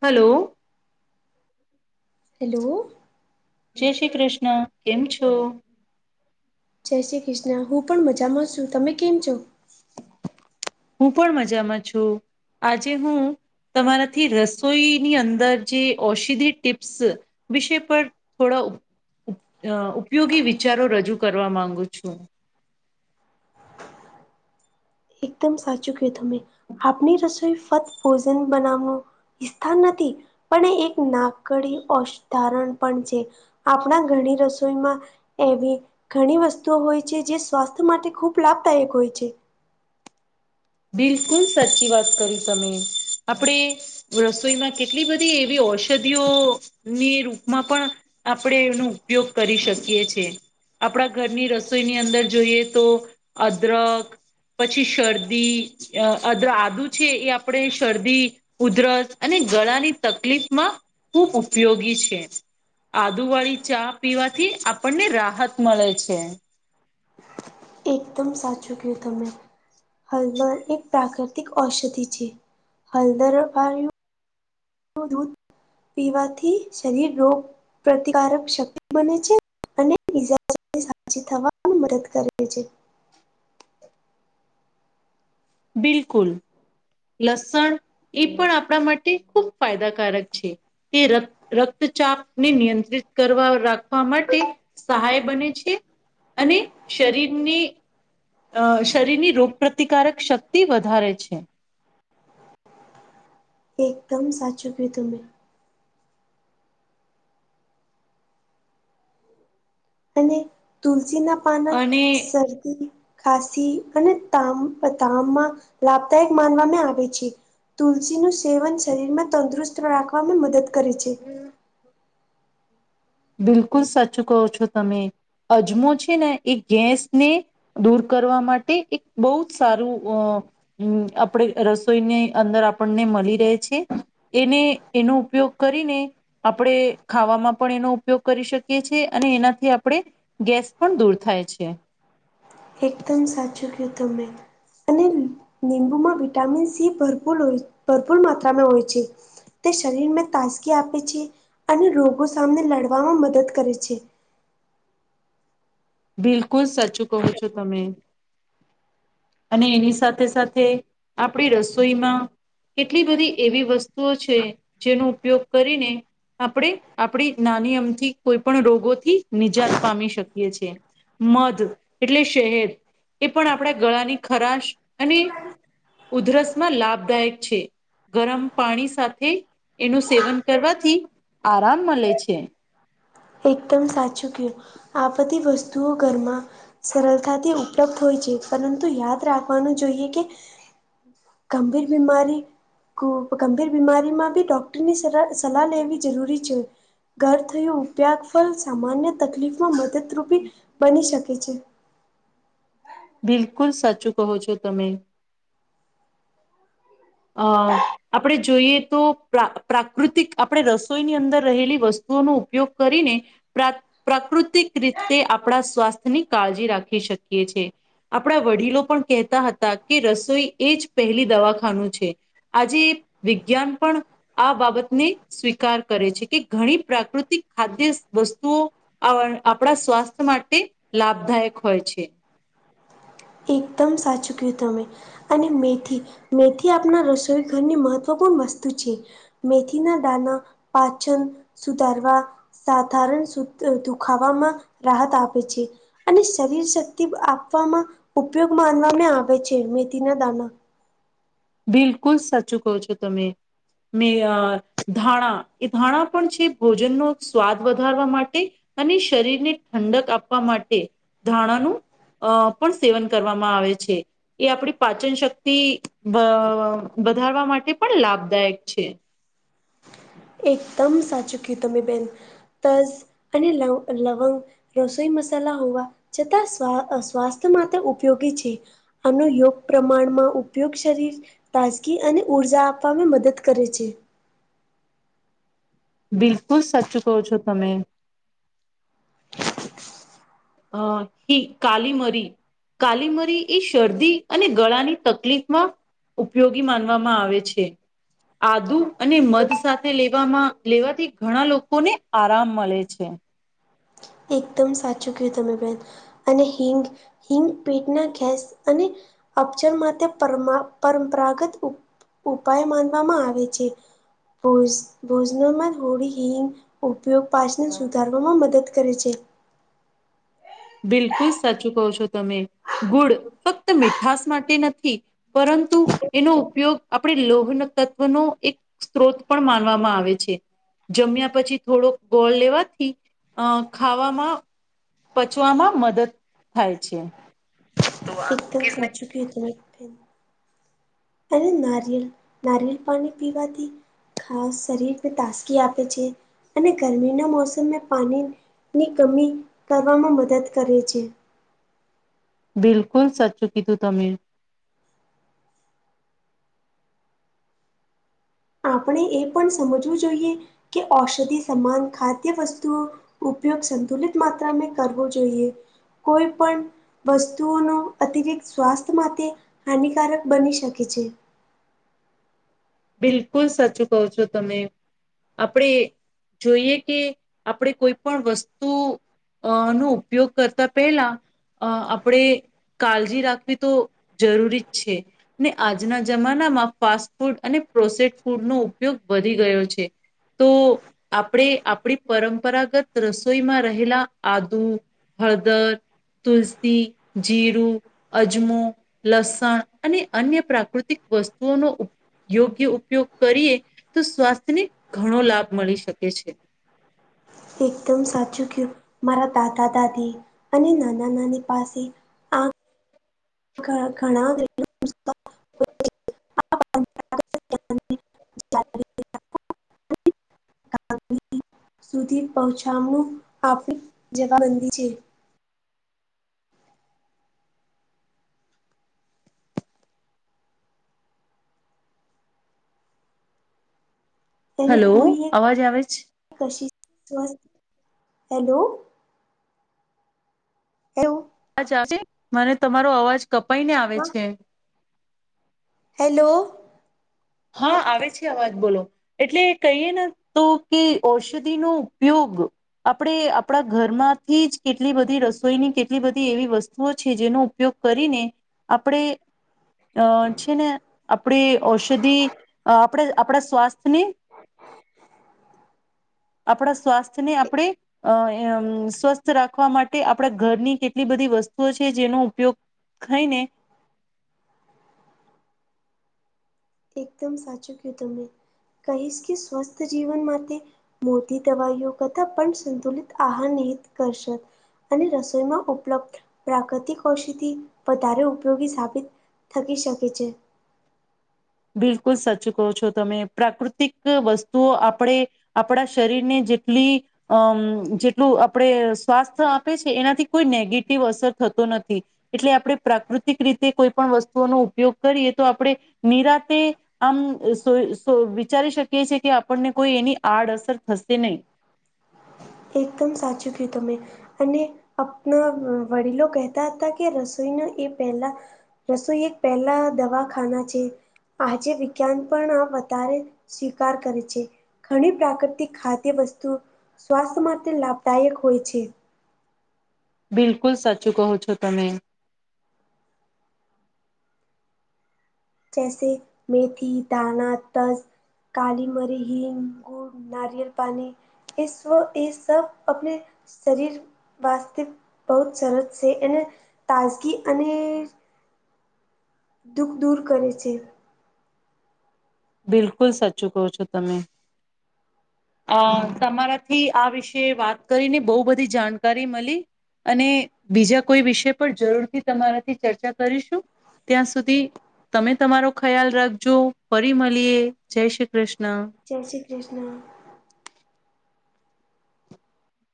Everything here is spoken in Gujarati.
હાલો હેલો જયશ્રી કૃષ્ણ કેમછો જયશ્રી કૃષ્ણ હું પણ મજામાં છું, તમે કેમ છો હું પણ મજામાં છું, આજે હું તમારાથી રસોઈની અંદર જે ઔષધી ટીપ્સ વિષય પર થોડા ઉપયોગી વિચારો રજૂ કરવા માંગુ છું એકદમ સાચું કંઈ તમે આપણી રસોઈ ફકત ભોજન બનાવવું વિસ્થાન નથી પણ એ એક નાકડી અશધારણ પણ છે. આપણા ઘણી રસોઈમાં એવી ઘણી વસ્તુઓ હોય છે, જે સ્વાસ્થ્ય માટે ખૂબ લાભદાયક હોય છે. બિલકુલ સાચી વાત કરી, તમે આપણેે રસોઈમાં કેટલી બધી એવી ઔષધિઓની રૂપમાં પણ આપણેે એનો ઉપયોગ કરી શકીએ છીએ આપણા ઘરની રસોઈની અંદર જોઈએ, તો અદરક પછી શરદી આદુ છે, એ આપણે શરદી ઉધરસ અને ગળાની તકલીફમાં ખૂબ ઉપયોગી છે. આદુ વાળી ચા પીવાથી આપણને રાહત મળે છે. એકદમ સાચું કું તમે. હલદર એક પ્રાકૃતિક ઔષધિ છે. હલદર વાળુ દૂધ પીવાથી શરીર રોગ પ્રતિકારક શક્તિ બને છે અને બીજા હાજી થવા પણ મદદ કરે છે. બિલકુલ. લસણ એ પણ આપણા માટે ખૂબ ફાયદાકારક છે. તે રત રક્તચાપ ને નિયંત્રિત કરવા રાખવા માટે સહાય બને છે અને શરીરને અ શરીરની રોગપ્રતિકારક શક્તિ વધારે છે. એકદમ સાચું કી તમે. અને તુલસીના પાના, અને શરદી ખાસી અને તામ તામમાં લાભદાયક માનવામાં આવે છે. તુલસીનું સેવન શરીરમાં તંદુરસ્ત રાખવામાં મદદ કરે છે. બિલકુલ સાચુ કહો છો તમે અજમો છે ને એ ગેસને દૂર કરવા માટે એક બહુ જ સારું અ હમ્મ, આપણે રસોઈની અંદર આપણને મળી રહે છે. એને એનો ઉપયોગ કરીને આપણેે ખાવામાં પણ એનો ઉપયોગ કરી શકીએ છીએ અને એનાથી આપણે ગેસ પણ દૂર થાય છે. એકદમ સાચું કયું તમે. અને લીંબુમાં વિટામિન સી ભરપૂર હોય ભરપૂર માત્રામાં હોય છે. તે શરીરમાં તાજગી આપે છે અને રોગો સામને લડવામાં મદદ કરે છે. બિલકુલ સાચું કહો છો તમે. અને એની સાથે સાથે આપણી રસોઈમાં કેટલી બધી એવી વસ્તુઓ છે જેનો ઉપયોગ કરીને આપણે આપણી નાની અમથી કોઈ પણ રોગોથી નિજાત પામી શકીએ છે. મધ એટલે શહેદ એ પણ આપણા ગળાની ખરાશ અને ઉધરસમાં લાભદાયક છે. ગરમ પાણી સાથે એનું સેવન કરવાથી આરામ મળે છે. એકદમ સાચું કયું આ બધી વસ્તુઓ ઘરમાં સરળતાથી ઉપલબ્ધ હોય છે પરંતુ યાદ રાખવાનું જોઈએ કે ગંભીર બીમારી ગંભીર બીમારીમાં બી ડોક્ટરની સલા સલાહ લેવી જરૂરી છે. ઘર થયું ઉપ્યાગ ફલ સામાન્ય તકલીફમાં મદદરૂપી બની શકે છે. બિલકુલ સાચું કહો છો તમે. અ આપણે જોઈએ તો પ્રાકૃતિક આપણે રસોઈની અંદર રહેલી વસ્તુઓનો ઉપયોગ કરીને પ્રા પ્રાકૃતિક રીતે આપણા સ્વાસ્થ્ય ની કાળજી રાખી શકીએ છે. આપણા વડીલો પણ કહેતા હતા કે રસોઈ એજ પહેલી દવાખાનું છે. આજે વિજ્ઞાન પણ આ બાબતને સ્વીકાર કરે છે કે ઘણી પ્રાકૃતિક ખાદ્ય વસ્તુઓ આપણા સ્વાસ્થ્ય માટે લાભદાયક હોય છે. દમ સાચું ક્યું તમે. અને મેથી મેથી આપણા રસોઈ ઘરની મહત્વપૂર્ણ વસ્તુ છે. મેથીના દાના પાચન સુધારવા સાધારણ સુ દુખાવામાં રાહત આપે છે. અને શરીર શક્તિ આપવામાં ઉપયોગ માનવામાં આવે છે મેથીના દાણા. બિલકુલ સાચું કહો છો તમે. મે અ ધાણા એ ધાણા પણ છે ભોજનનો સ્વાદ વધારવા માટે અને શરીરને ઠંડક આપવા માટે ધાણાનું અ પણ સેવન કરવામાં આવે છે એ આપણી પાચન શક્તિ બ વધારવા માટે પણ લાભદાયક છે. એકદમ સાચું કીધું તમે બેન. તસ અને લ લવંગ. રસોઈ મસાલા હોવા છતાં સા સ્વાસ્થ્ય માત્ર ઉપયોગી છે. એનું યોગ પ્રમાણમાં ઉપ ઉપયોગ શરીર તાજગી અને ઉર્જા આપવામાં મદદ કરે છે. બિલકુલ સાચું કહો છો તમે. હહ કી કાલી મરી. કાલી મરી એ શરદી અને ગળાની તકલીફમાં ઉપયોગી માનવામાં આવે છે. આદુ અને મધ સાથે લેવામાં લેવાથી ઘણા લોકોને આરામ મલે છે. એકદમ સાચું કયું તમે બેન. અને હિંગ હિંગ પેટના ગેસ અને અપચર માટે પરમાં પરંપરાગત ઉપાય માનવામાં આવે છે. ભોજ ભોજનોમાં થોડી હિંગ ઉપયોગ પાસને સુધારવામાં મદદ કરે છે. બિલકુલ સાચું કહો છો તમે. ગુળ ફક્ત મીઠાસ માટે નથી. પરંતુ એનો ઉપયોગ આપણે લોહન તત્વનો એક સ્ત્રોત પણ માનવામાં આવે છે. જમ્યા પછી થોડોક ગોળ લેવાથી અ ખાવામાં પચવામાં મદદ થાય છે. તો આ એકદમ કૂકીઝને સાચુ કહ્યું તમે બેન. અને નારિયેલ નારિયેલ પાણી પીવાથી ખાસ શરીરને તાસગી આપે છે. અને ગરમીના મોસમમાં પાની ની કમી કરવામાં મદદ કરે છે. બિલકુલ સાચું કીધું તમે. આપણે એ પણ સમજવું જોઈએ કે ઔષધિ સમાન ખાદ્ય વસ્તુઓ ઉપયોગ સંતુલિત માત્રા મે કરવો જોઈએ. કોઈ પણ વસ્તુઓનો અતિરિક્ત સ્વાસ્થ્ય માટે હાનિકારક બની શકે છે. બિલકુલ સાચું કહો છો તમે. આપણે જોઈએ કે આપણે કોઈ પણ વસ્તુ અ નો ઉપયોગ કરતા પહેલા અ આપણે કાલજી રાખવી તો જરૂરી જ છે. ને આજના જમાનામાં ફાસ્ટ ફૂડ અને પ્રોસે ફૂડનો ઉપયોગ વધી ગયો છે. તો આપણે આપણી પરંપરાગત રસોઈમાં રહેલા આદુ હળદર, તુલસી, જીરું. અજમો, લસણ અને અન્ય પ્રાકૃતિક વસ્તુઓનો ઉપ યોગ્ય ઉપયોગ કરીએ તો સ્વાસ્થ્યને ઘણો લાભ મળી શકે છે. એકદમ સાચું કયું. મારા દાદા દાદી અને નાના નાની પાસે ઘણાં ઘણાં [inaudible] [inaudible] [inaudible] સુધી પહોચામણું આપણી જવાબંધી છે. એને હલો હૂઈએ અવાજ આવે છે? કશી હેલો એવું? અવાજ આવે છે? મને તમારો અવાજ કપાઈને આવે છે. હેલો હા આવે છે અવાજ બોલો. એટલે કહીએ ને તો કે ઔષધિનો ઉપયોગ આપણે આપણા ઘરમાંથી જ કેટલી બધી રસોઈની કેટલી બધી એવી વસ્ તું ઓ છે જેનો ઉપયોગ કરીને આપણે અ છે ને આપણી ઔષધિ અ આપણે આપણા સ્વાસ્થ્યને. . આપણા સ્વાસ્થ્યને આપણે. અ સ્વસ્થ રાખવા માટે આપણા ઘરની કેટલી બધી વસ્તુઓ છે જેનો ઉપયોગ. ખઈ ને એકદમ સાચું કીધું તને કહીશ કે સ્વસ્થ જીવન માટે મોતી દવાઈઓ કથા પણ સંતુલિત આહાર નિહિત કરશત. અને રસોઈમાં ઉપલબ્ધ પ્રાકૃતિક ઔષધિ વધારે ઉપયોગી સાબિત. થકી શકે છે. બિલકુલ સાચું કહો છો તમે પ્રાકૃતિક વસ્તુઓ આપણે. આપણા શરીર ને જેટલી અમ જેટલું આપણે સ્વાસ્થ્ય આપે છે એનાથી કોઈ નેગેટિવ અસર થતો નથી. એટલે આપણે પ્રાકૃતિક રીતે કોઈ પણ વસ્તુઓનો ઉપયોગ કરીએ તો આપણે નિરાતે. આમ સો સો ઈ વિચારી શકીએ છી કે આપણને કોઈ એની આડઅસર થશે નહી એકદમ સાચું કયું ત મે અને અપણા વડીલો કહેતા હતા કે રસોઈના એ પહેલા રસોઈ એક પહેલા દવાખાના છે. આજે વિજ્ઞાન પણ આ વધારે સ્વીકાર કરે છે. ઘણી પ્રાકૃતિક ખાદ્ય વસ્તુ સ્વાસ્થ્ય માટે લાભદાયક હોય છે. બિલકુલ સાચું કહો છો તમે. જૈસે મેથી દાણા તજ કાલી મરી હિંગ ગુળ નારિયલ પાણી. એ એ સબ આપણે શરીર વાસ્તવ બહુ જ સરસ છે એને તાજગી અને દુઃખ દૂર કરે છે. બિલકુલ સાચું કહો છો તમે. અ તમારાથી આ વિશે વાત કરીને બહુ બધી જાણકારી મળી. અને બીજા કોઈ વિષય પર જરૂરથી તમારાથી ચર્ચા કરીશું. ત્યાં સુધી તમે તમારો ખ્યાલ રાખજો. ફરી મળલિએે જય શ્રી કૃષ્ણ. જય શ્રી કૃષ્ણ.